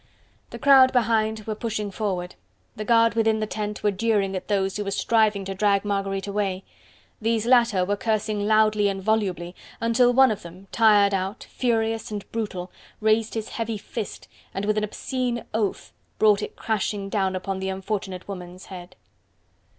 The crowd behind were pushing forward: the guard within the tent were jeering at those who were striving to drag Marguerite away: these latter were cursing loudly and volubly, until one of them, tired out, furious and brutal, raised his heavy fist and with an obscene oath brought it crashing down upon the unfortunate woman's head.